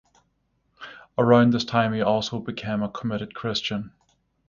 Around this time he also became a committed Christian.